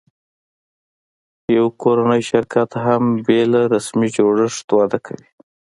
یو کورنی شرکت هم بېله رسمي جوړښت وده کوي.